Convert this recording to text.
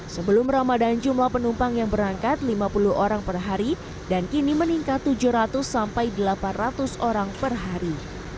sebelum ramadan jumlah penumpang yang berangkat lima puluh orang per hari dan kini meningkat tujuh ratus sampai delapan ratus orang per hari